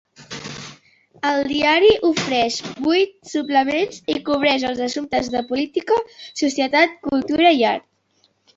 El diari ofereix vuit suplements i cobreix els assumptes de política, societat, cultura i art.